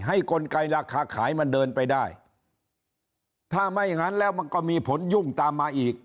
กลไกราคาขายมันเดินไปได้ถ้าไม่งั้นแล้วมันก็มีผลยุ่งตามมาอีก